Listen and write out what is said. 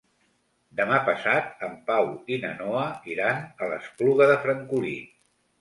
Demà passat en Pau i na Noa iran a l'Espluga de Francolí.